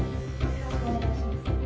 よろしくお願いします